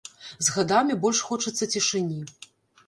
З гадамі больш хочацца цішыні.